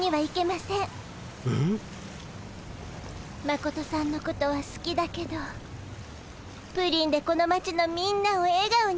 マコトさんのことはすきだけどプリンでこの町のみんなをえがおにする。